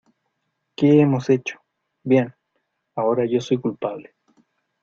¿ Qué hemos hecho? ¡ bien! ¡ ahora yo soy culpable !